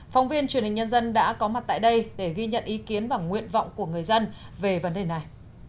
phóng viên truyền hình nhân dân đã có mặt tại đây để ghi nhận ý kiến và nguyện vọng của người dân về vấn đề này